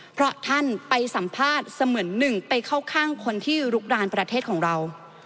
เพราะท่านไปสัมภาษณ์เสมือนหนึ่งไปเข้าข้างคนที่ลุกรานประเทศของเรา